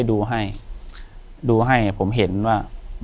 อยู่ที่แม่ศรีวิรัยิลครับ